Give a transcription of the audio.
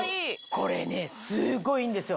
これねすごいいいんですよ。